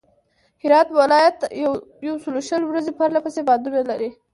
هرات ولایت یوسلوشل ورځي پرله پسې بادونه لري.